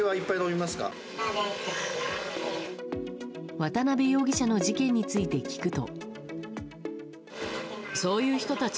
渡辺容疑者の事件について聞くと。